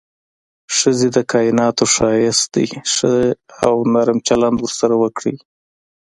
ښځې د کائناتو ښايست ده، ښه او نرم چلند ورسره وکړئ.